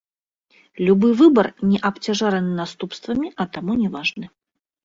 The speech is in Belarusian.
Любы выбар не абцяжараны наступствамі, а таму не важны.